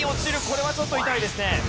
これはちょっと痛いですね。